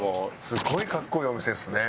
すごいかっこいいお店ですね。